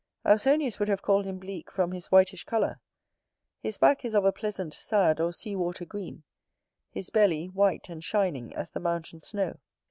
Ausonius would have called him Bleak from his whitish colour: his back is of a pleasant sad or sea water green; his belly, white and shining as the mountain snow.